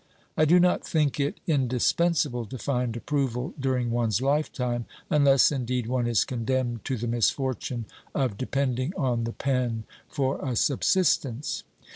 I do not think it indispensable to find approval during one's lifetime, unless, indeed, one is condemned to the misfortune of depending on the pen for a subsistence.